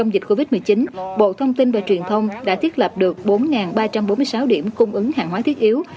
trong dịch covid một mươi chín bộ thông tin và truyền thông đã thiết lập được bốn ba trăm bốn mươi sáu điểm cung ứng hàng hóa thiết yếu